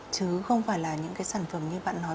chứ không phải là những cái sản phẩm như bạn nói